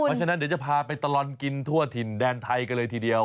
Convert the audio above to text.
เพราะฉะนั้นเดี๋ยวจะพาไปตลอดกินทั่วถิ่นแดนไทยกันเลยทีเดียว